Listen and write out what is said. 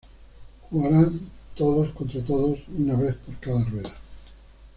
Jugaran todos contra todos una vez por cada rueda.